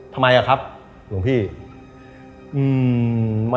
ป่ะป่ะลุ้ม